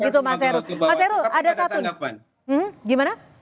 tidak kita laporkan ke bawaslu tapi tidak ada tanggapan